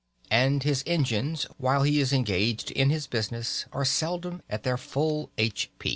And his engines, while he is engaged in his business, are seldom at their full 'h.